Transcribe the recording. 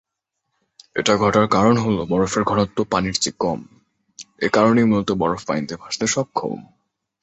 এটা ঘটার কারন হলো বরফের ঘনত্ব পানির চেয়ে কম, একারণেই মূলত বরফ পানিতে ভাসতে সক্ষম।